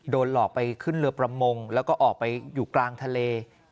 หลอกไปขึ้นเรือประมงแล้วก็ออกไปอยู่กลางทะเล